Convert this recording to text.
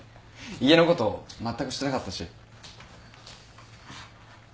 家のことまったくしてなかったし。